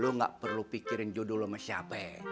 lo gak perlu pikirin judul lo sama siapa